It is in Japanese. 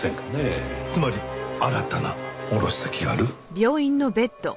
つまり新たな卸先がある？